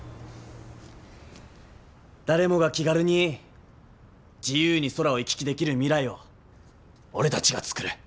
誰もが気軽に自由に空を行き来できる未来を俺たちが作る。